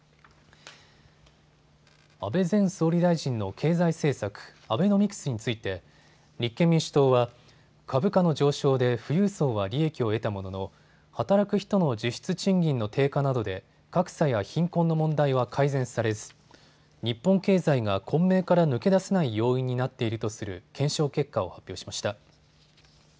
安倍前総理大臣の経済政策、アベノミクスについて立憲民主党は、株価の上昇で富裕層は利益を得たものの働く人の実質賃金の低下などで格差や貧困の問題は改善されず日本経済が混迷から抜け出せない要因になっているとする検証結果を発表しました。